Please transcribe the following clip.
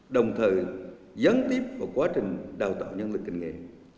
đồng thời gián tiếp vào quá trình đào tạo nhân lực kinh nghệ